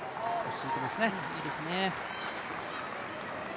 いいですね。